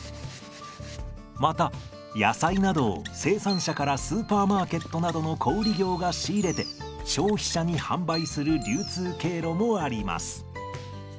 また野菜などを生産者からスーパーマーケットなどの小売業が仕入れて消費者に販売する流通経路もあります。